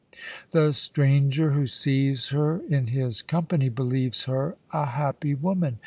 The stranger who sees her in his company believes her a happy woman.